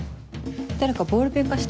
誰かボールペン貸して。